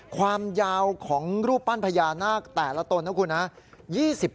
ความยาวของรูปปั้นพญานาคแต่ละตนนะครับ